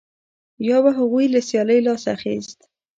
یا به هغوی له سیالۍ لاس اخیست